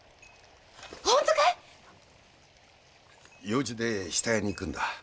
用事で下谷に行くんだ。